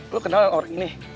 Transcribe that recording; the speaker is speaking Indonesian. lo kenal orang ini